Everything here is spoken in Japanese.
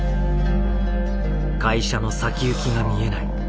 会社の先行きが見えない。